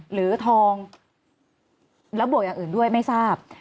หรือทองแล้วบวกอย่างอื่นด้วยไม่ทราบ